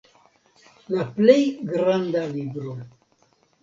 La plej granda libro.